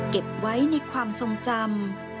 เก็บไว้ในความทรงจำ